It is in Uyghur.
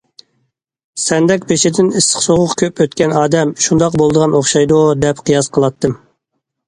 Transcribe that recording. سەندەك بېشىدىن ئىسسىق- سوغۇق كۆپ ئۆتكەن ئادەم شۇنداق بولىدىغان ئوخشايدۇ دەپ قىياس قىلاتتىم.